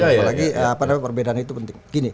apalagi perbedaan itu penting